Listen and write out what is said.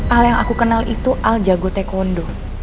al yang aku kenal itu al jago taekwondo